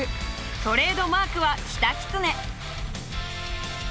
トレードマークはキタキツネ。